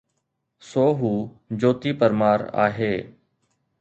سو هو جوتي پرمار آهي.